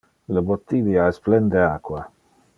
Le bottilia es plen de aqua.